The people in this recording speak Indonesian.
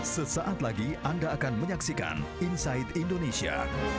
sesaat lagi anda akan menyaksikan inside indonesia